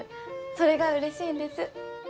それがうれしいんです。